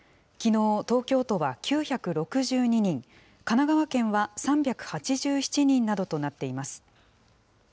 きのう東京都は９６２人、神奈川県は３８７人などとなっています。